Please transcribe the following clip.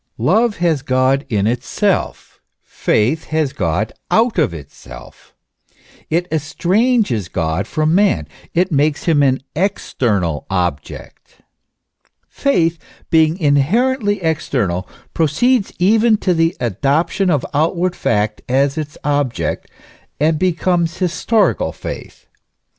Love has God in itself: faith has God out of itself; it estranges God from man, it makes him an external object. 246 THE ESSENCE OF CHRISTIANITY. Faith, being inherently external, proceeds even to the adop tion of outward fact as its object, and becomes historical faith.